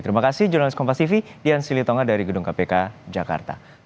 terima kasih jurnalis kompas tv dian silitonga dari gedung kpk jakarta